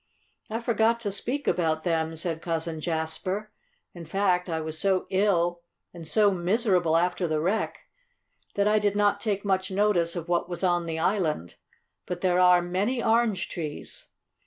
"I forgot to speak about them," said Cousin Jasper. "In fact I was so ill and so miserable after the wreck, that I did not take much notice of what was on the island. But there are many orange trees.